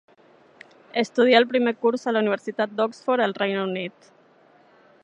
Estudià el primer curs a la Universitat d'Oxford, al Regne Unit.